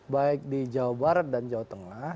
baik di jawa barat dan jawa tengah